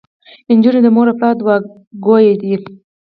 انجونو د مور او پلار دوعاګويه دي.